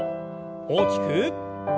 大きく。